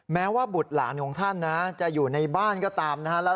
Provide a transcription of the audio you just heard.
แม้ว่าบุตรหลานของท่านนะจะอยู่ในบ้านก็ตามนะฮะ